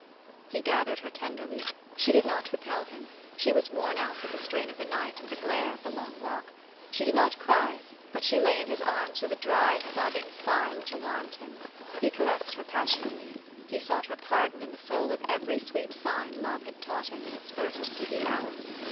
He gathered her tenderly. She did not repel him : she was worn out with the strain of the night and the glare of the long walk. She did not cry ; but she lay in his arms with a dry, sobbing sigh which alarmed him. He caressed her passionately. He sought her pardon in the soul of every sweet sign love had taught him in its first dizzy hours.